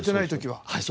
はい。